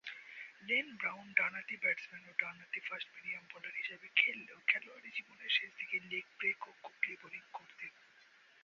Lane Brown ডানহাতি batsman ও ডানহাতি ফাস্ট-মিডিয়াম বোলার হিসেবে খেললেও খেলোয়াড়ী জীবনের শেষদিকে লেগ ব্রেক ও গুগলি বোলিং করতেন।